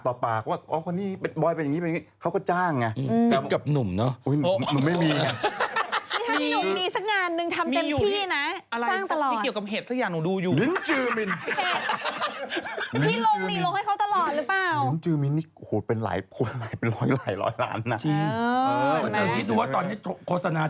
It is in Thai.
กับการคุยของเขาแหละพูดจากการเหรอนั้นนี่หรอเปลี่ยน